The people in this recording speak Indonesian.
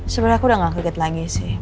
sebenernya aku udah ga keget lagi sih